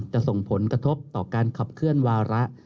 ส่งผลกระทบต่อการขับเคลื่อนวาระ